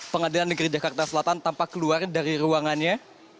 pengadilan negeri jakarta selatan tanpa keluar dari ruangannya